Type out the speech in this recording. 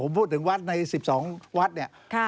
ผมพูดถึงวัดใน๑๒วัดเนี่ย